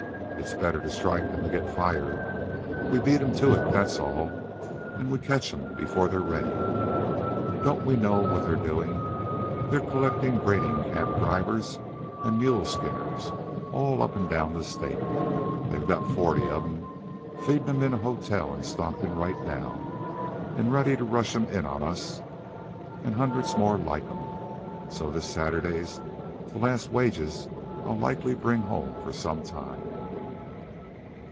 "It's better to strike than to get fired. We beat 'em to it, that's all, an' we catch 'em before they're ready. Don't we know what they're doin'? They're collectin' gradin' camp drivers an' mule skinners all up an' down the state. They got forty of 'em, feedin' 'em in a hotel in Stockton right now, an' ready to rush 'em in on us an' hundreds more like 'em. So this Saturday's the last wages I'll likely bring home for some time."